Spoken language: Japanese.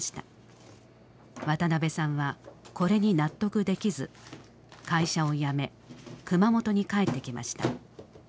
渡辺さんはこれに納得できず会社を辞め熊本に帰ってきました。